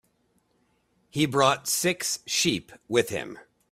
He brought six sheep with him.